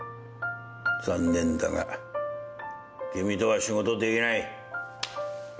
残念だが君とは仕事できない。